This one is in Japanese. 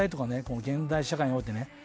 この現代社会においてね